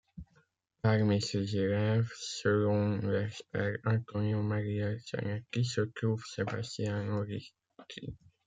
Parmi ses élèves, selon l'expert Antonio Maria Zanetti, se trouve Sebastiano Ricci.